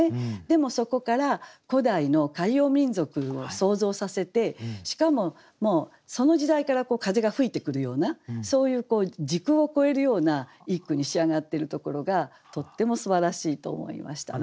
でもそこから古代の海洋民族を想像させてしかももうその時代から風が吹いてくるようなそういう時空を超えるような一句に仕上がっているところがとってもすばらしいと思いました。